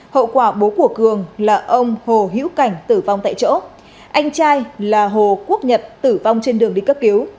hậu quả bố của cường là ông hồ hiễu cảnh tử vong tại chỗ anh trai là hồ quốc nhật tử vong trên đường đi cấp cứu